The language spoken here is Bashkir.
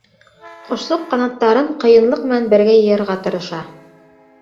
Ҡошсоҡ ҡанаттарын ҡыйынлыҡ менән бергә йыйырға тырыша.